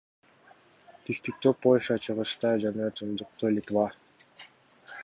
Түштүктө — Польша, чыгышта жана түндүктө — Литва.